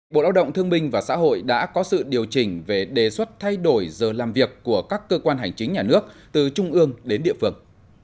bộ đạo động thương minh và xã hội đã có sự điều chỉnh về đề xuất thay đổi giờ làm việc của các cơ quan hành chính nhà nước từ trung ương đến địa phương